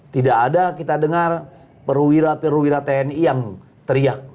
tidak ada kita dengar perwira perwira tni yang teriak